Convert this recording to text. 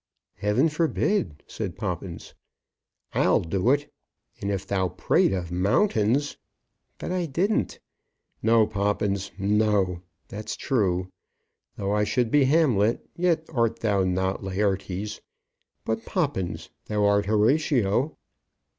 "Heaven forbid," said Poppins. "I'll do it. And if thou prate of mountains " "But I didn't." "No, Poppins, no. That's true. Though I should be Hamlet, yet art not thou Laërtes. But Poppins, thou art Horatio."